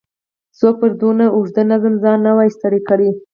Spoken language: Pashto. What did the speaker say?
څوک به پر دونه اوږده نظم ځان نه وای ستړی کړی.